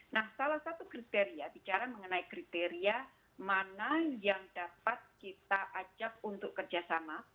nah salah satu kriteria bicara mengenai kriteria mana yang dapat kita ajak untuk kerjasama